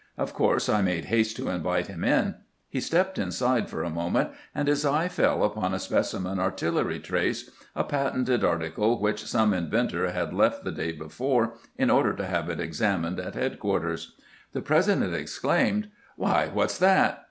Of course I made haste to invite him in. He stepped inside for a moment, and his eye fell upon a specimen artillery trace, a patented article which some inventor had left the day before in order to have it ex amined at headquarters. The President exclaimed, "Why, what 's that?"